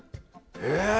え！